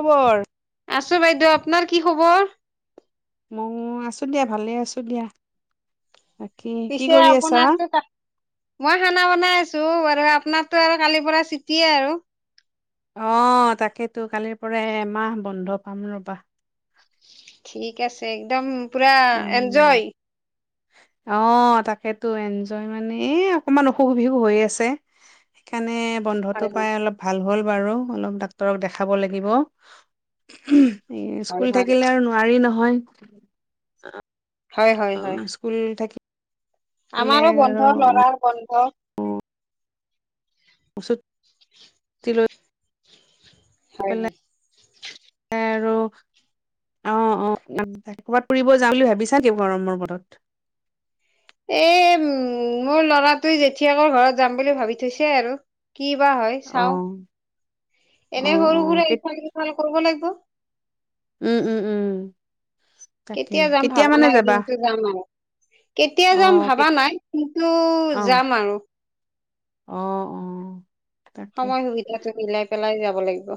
খবৰ আছো বাইদেউ আপোনাৰ কি খবৰ মই আছো দিয়া ভালে আছো দিয়া বাকী কি পিছে কৰি আছা? আপোনাৰো মই খানা বনাই আছো বাৰু আপোনাকতো আৰু কালিৰ পৰা চিটিয়ে আৰু অ তাকেতো কালিৰ পৰা এমাহ বন্ধ পাম ৰবা ঠিক আছে একদম পুৰা উম। এনজয় অ তাকেতো এনজয় মানে এই অকনমান অসুখ বিসুখ হৈ আছে সেইকাৰণে বন্ধটো হয় হয় পাই অলপ ভাল হ'ল বাৰু অলপ ডাক্তৰক দেখাব লাগিব এ হয় স্কুল হয় থাকিলে আৰু নোৱাৰি নহয় হয় হয় হয়। স্কুল থাকিল আমাৰো বন্ধ লৰাৰ বন্ধ চুটি লৈ হয় হয় এ আৰু অ অ ক'বাত ফুৰিব যাওঁ বুলি ভাবিছা নি গৰমৰ বতৰত এ উম মোৰ লৰাটোয়ে জেথিয়েকৰ ঘৰত যাম বুলি ভাবি থৈছে আৰু কি বা হয় চাওঁ অ'। অ এনে অ সৰুবোৰে কেত ইফাল সিফালে কৰিব লাগিব উম উম উম তাকে যাম কেতিয়া ভাবা মানে নাই যাবা কিন্তু যাম আৰু কেতিয়া অ যাম ভাবা কেত নাই কিন্তু অ যাম আৰু অ অ তাকে সময় সুবিধাটো মিলাই পেলাই যাব লাগিব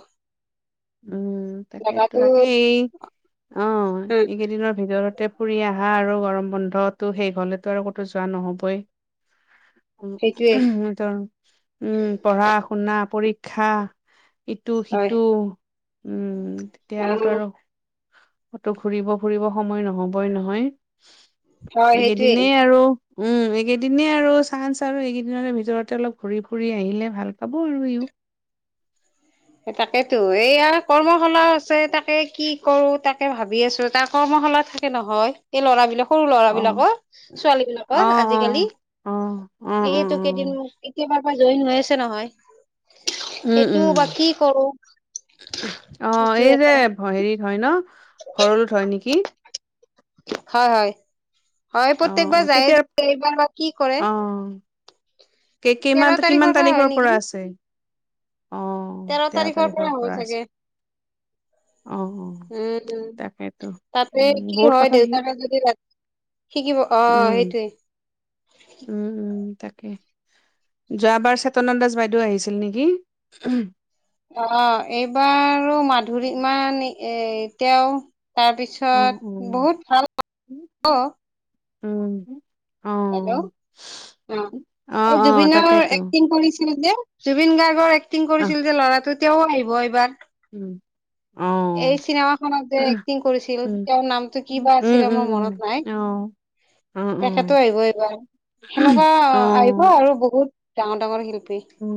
উম তাকেতো জেগাটো তাকেই অ উম এইকেইদিনৰ ভিতৰতে ফুৰি আহা আৰু গৰম বন্ধতটো শেষ হলেতো আৰু ক'তো যোৱা নহ'বই সেইটোৱে ত উম পঢ়া শুনা পৰীক্ষা ইটো হয় সিটো উম অ তেতিয়াতো আৰু কতো ঘুৰিব ফুৰিব সময় নহবই নহয় হয় সেইটোৱে এইকেইদিনে আৰু উম এইকেইদিনে আৰু চান্স আৰু এইকেইদিনৰে ভিতৰতে অলপ ঘূৰি ফুৰি আহিলে ভাল পাব আৰু ইও [inaudible] তাকেতো এই আ কৰ্মশালাও আছে, তাকে কি কৰো তাকে ভাবি আছো। তাৰ কৰ্ম [unintelligible] থাকে নহয় এই ল'ৰাবিলাক সৰু অ ল'ৰাবিলাকৰ অ ছোৱালীবিলাকৰ অ আজিকালি। অ অ অ এইটো অ কেইদিন এতিয়া বাৰ পৰা জইন হৈ আছে নহয়। উম সেইটো উম, বা কি কৰো অ সেইটো এই যে এটা হেৰিত হয় ন? ভৰলোত হয় নেকি? হয় হয় হয় অ অ প্ৰত্যেকবাৰ যায় কেতিয়াৰ যে এইবাৰ বা কি কৰে? কেই তেৰ কিমান কিমান হয় তাৰিখৰ নেকি পৰা আছে? অ তেৰ তাৰিখৰ পৰা হ'ব চাগে! অ অ উম তাকেতো তাতে উম কি বহুত হয় কথা সি দেউতাকে যদি ৰা শিকিব আহ উম সেইটোৱে। উম উম তাক যোৱাবাৰ চেতনা দাস বাইদেউ আহিছিল নিকি? অ অ এইবাৰো মাধুৰীমান এ তেওঁ অ অ তাৰপিছত বহুত ভাল অ উম। অ হেল্ল'! অ অ এই অ জুবিনৰ তাকেইতো এক্টিং কৰিছিলে যে জুবিন গাৰ্গৰ এক্টিং আহ কৰিছিল যে ল'ৰাটো তেওঁ আহিব এইবাৰ। উম। অ এই চিনেমাখনত যে এক্টিং কৰিছিল উম তেওঁৰ নামটো কি বা উম আছিলে মোৰ মনত নাই। অ উম উম। টো আহিব এইবাৰ, সেনেকুৱা অ আহিব আৰু বহুত ডাঙৰ -ডাঙৰ শিল উম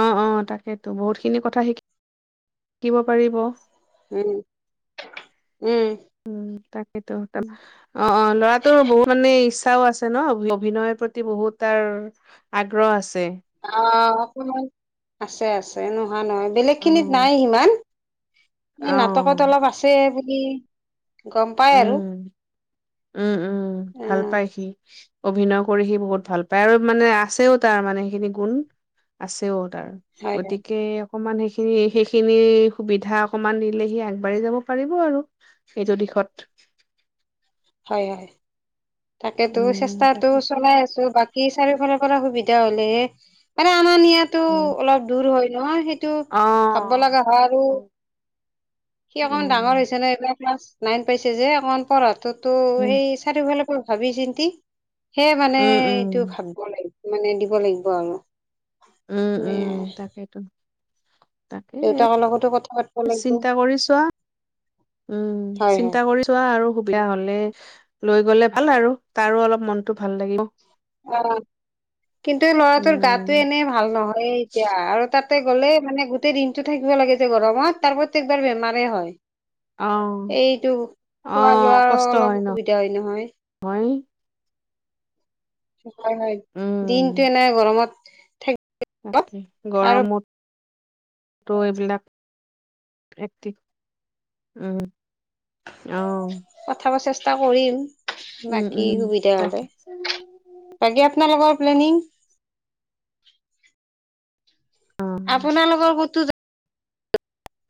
অ অ। তাকেতো বহুত খিনি কথা শিক শিকিব পাৰিব। উম উম। তাকেইতো, তাৰ অ অ ল'ৰাটোৰ বহুত মানে ইচ্ছাও আছে ন অভিনয়ৰ প্ৰতি বহুত তাৰ আগ্ৰহ আছে। অ অকমান আছে আছে নোহোৱা নহয়। বেলেগ অ খিনিত নাই সিমান। অ এই নাটকত অলপ আছে বুলি গম পাই আৰু উম উম উম ভাল উম পাই সি। অভিনয় কৰি সি বহুত ভাল পায় আৰু মানে আছেও তাৰ মানে সেইখিনি গুণ আছেও। তাৰ হয় গতিকে অকমান সেইখিনি -সেইখিনি সুবিধা অকমান দিলেহি আগবাঢ়ি যাব পাৰিব আৰু সেইটো দিশত। হয় হয় তাকেতো উম, চেষ্টাটো তাকে ঠিক চলাই আছো বাকী চাৰিওফালত কৰা সুবিধা হলেহে মানে আমাৰ নিয়াতো আছে। অলপ দূৰ হয় নহয় সেই সেইটো ভাব ব অ', লগা হয় আৰু উম, সি অকমান ডাঙৰ উম, হৈছে ন এইবিলাক ক্লাছ নাইন পাইছে যে অকণমান পঢ়াটোতো সেই উম, চাৰিওফালৰ পৰা ভাবি চিন্তি সেই মানে উম। এইটো ভাবিব লাগ মানে দিব লাগিব আৰু। উম নে উম তাকেইটো। দেউতাকৰ লগতো কথা পাতিব লাগিব চিন্তা কৰি চোৱা, উম হয় হয় চিন্তা কৰি চোৱা আৰু বিয়া হলে লৈ গলে ভাল আৰু তাৰো অলপ মনটো ভাল লাগিব। অ কিন্তু ল'ৰাটোৰ উম। গাতটো এনে ভাল নহয় এতিয়া আৰু তাত তে গ'লে মানে গোটেই দিনটো থাকিব লাগে যে গৰমত, তাৰ প্ৰত্যেকবাৰ বেমাৰে হয়। অ', এইটো খোৱা অ', -লোৱাৰ কষ্ট অলপ হয় অসুবিধা হয় নহয়। নহয়, হয় হয়, দিনটো এনে গৰমত থাক তাক আৰু গৰমতো এইবিলাক এক উম অহ। এটা কৰিম বাকী সুবিধা হলে, তাকে বাকী আপোনালোকৰ প্লেনিং? অ', আপোনালোকৰ কোতো।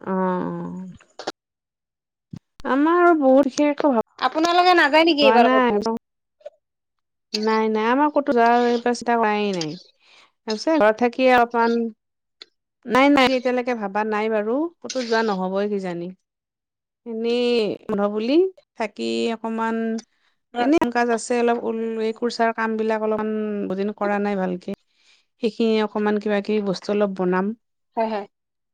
অ আমাৰ আৰু বহুত শেষ। আপোনালোকে নাযায় নেকি এইবাৰ কতো। নাই নাই, আমাৰ ক'তো যোৱাৰ [unintelligible] ব্যৱস্থা কৰাই নাই। তাপিছত ঘৰত থাকি অকন নাই নাই এতিয়ালৈকে ভাবা নাই বাৰু! ক'তো যোৱা নহ'বই কিজানি! এনেই বন্ধ বুলি থাকি অকমান, হয় এনে কাম- কাজ আছে অলপ। এই কুৰ্চাৰ কামবিলাক অলপমান বহুদিন কৰা নাই ভালকে। সেইখিনি অকনমান কিবা কিবি বস্তু অলপ বনাম। হয় হয়।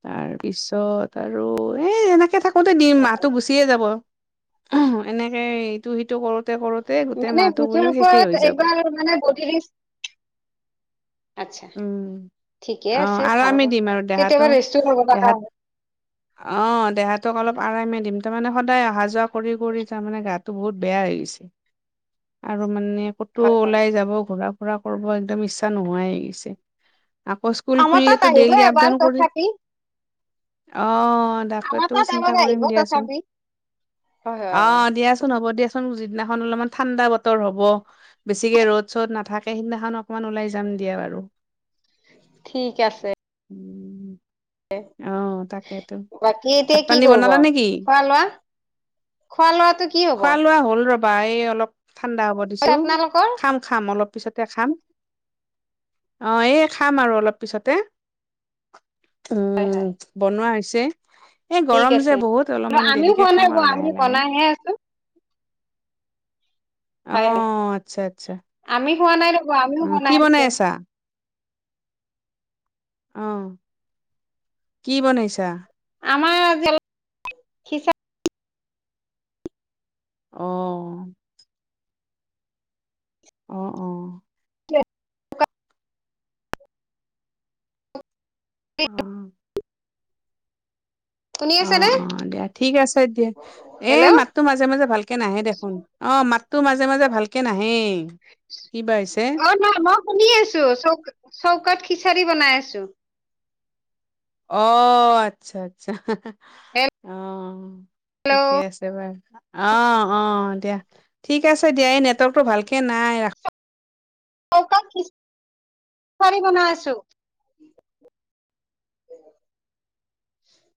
তাৰ পিছত আৰু এই এনেকে থাকোতে দিন, হয়, মাহটো গুচিয়ে যাব। এনেকে ইটো-সিটো কৰোতে কৰোতে গোটেই মাহ [unintelligible] আতছা ঠিকে অ আছে ভাল আৰামে দিম আৰু দেহাটো কেতিয়াবা ৰেষ্ট ও কৰিব লগা দেহাত হয় [inaudible] অ' দেহাটোক অলপ আৰামে দিম। তাৰমানে সদায় অহা যোৱা কৰি কৰি তাৰমানে গাটো বহুত বেয়া হৈ গৈছে আৰু মানে। ক'তো হয় হয় ওলাই যাব ঘুৰা ফুৰা কৰিব একদম ইচ্ছা নোহোৱাই হৈছে। আকৌ স্কুল আমাৰ তাত খুলিলেতো আহিব ডেইলি এবাৰ আপডাউন কৰি, অ'। তথাপি অ' আমাৰ ডাকৈতটো তাত চিন্তা এবাৰ কৰিম আহিব দিয়াচোন। তথাপি। হয় হয় হয় অ' দিয়াচোন হ'ব দিয়া। যিদিনাখন অলপমান ঠাণ্ডা বতৰ হ'ব, বেছিকে ৰ'দ-চ'দ নাথাকে সিদিনাখন। অকণমান ওলাই যাম দিয়া বাৰু! ঠিক আছে। উম অ', তাকেতো বাকী এতিয়া ভাত কি পানী কৰিব বনালা নেকি? খোৱা-লোৱা? খোৱা লোৱাটো কি হ'ব? বাই অলপ ঠাণ্ডা হ'ব দিছো, আপোনালোকৰ? খাম খাম অলপ পিছতে খাম। অ এই খাম আৰু অলপ পিছতে। হয় উম হয় বনোৱা হৈছে। এই ঠিক গৰম যে আছে। বহুত অলপমান আমিও দেৰিকে খোৱা নাই খাম ৰব আৰু আমি লাহে লাহে। বনাইহে আছো। হয়, অ', আচ্ছা আচ্ছা আমি খোৱা নাই ৰ'ব। আমিও অ', কি বনাই আছো। আছা? অ'। কি বনাইছা? আমাৰ [inaudible] অ'। অ অ। [unintelligible] অ'। শুনি অ আছে নে অ দিয়া ঠিক আছে দিয়া এ হেল্ল' মাততো অ মাজে মাজে ভালকে নাহে দেখোন অ। অ মাতটো মাজে মাজে ভালকে নাহেই। কিবা হৈছে অ' নহ মই শুনি আছো, চৌকা-চৌকাত খিচাৰি বনাই আছো। অ' আচ্ছা আচ্ছা। অ' হেল্ল' ঠিকেই আছে বাৰু। অ' অ' দিয়া। ঠিক আছে দিয়া এই নেটৱৰ্কটো ভালকে নাই ৰাখ। [inaudible] খিছাৰি বনাই আছো [unintelligible]